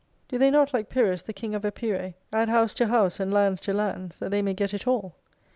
Do they not like Pyrrhus, the King of Epire, add house to house and lands to lands, that they may get it all